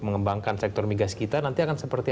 mengembangkan sektor migas kita nanti akan seperti